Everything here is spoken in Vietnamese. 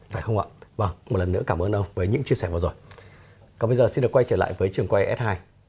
phải không ạ vâng một lần nữa cảm ơn ông với những chia sẻ vừa rồi còn bây giờ xin được quay trở lại với trường quay s hai